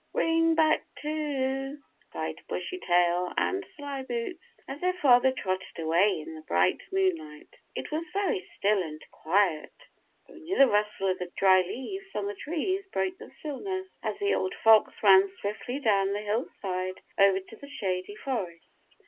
"Bring back two," cried Bushytail and Slyboots, as their father trotted away in the bright moonlight. It was very still and quiet; only the rustle of the dry leaves on the trees broke the stillness as the old fox ran swiftly down the hillside over to the Shady Forest.